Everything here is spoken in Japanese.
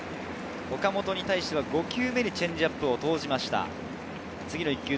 岡本に対しては５球目にチェンジアップを投じました。